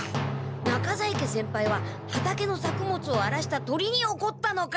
中在家先輩は畑の作物をあらした鳥におこったのか！